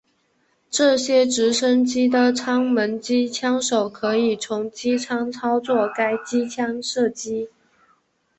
这些直升机的舱门机枪手可从机舱操作该机枪射击。